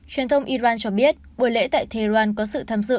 truyền thông iran cho biết buổi lễ tại tehran có sự tham dự